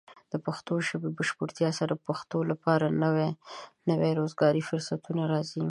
د پښتو ژبې د بشپړتیا سره، د پښتنو لپاره نوي روزګاري فرصتونه راځي.